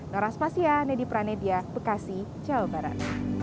norah spasia nedi pranedia bekasi jawa barat